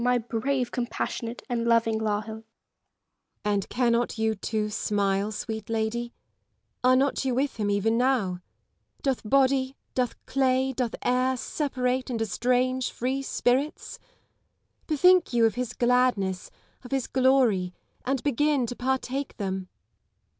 my brave, com passionate, and loving Lisle ! Elizabeth Gaunt. And cannot you, too, smile, sweet lady 1 Are not you with him even now 1 Doth body, doth clay, doth air, separate and estrange free spirits 1 Bethink you of his gladness, of his glory ; and begin to partake them.